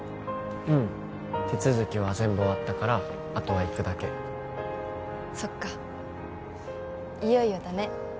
うん手続きは全部終わったからあとは行くだけそっかいよいよだね